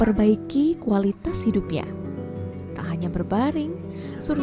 oh jadi udah obligasi ya tidak ada yang bisa bikin yang ditubuh sih